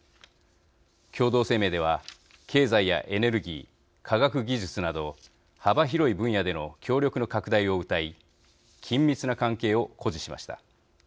共同声明では経済やエネルギー、科学技術など幅広い分野での協力の拡大をうたい緊密な関係を誇示しました。